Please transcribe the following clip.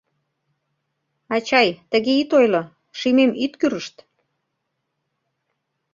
Ачай, тыге ит ойло, шӱмем ит кӱрышт.